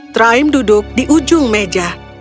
trime duduk di ujung meja